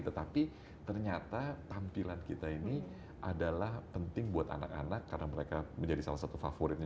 tetapi ternyata tampilan kita ini adalah penting buat anak anak karena mereka menjadi salah satu favoritnya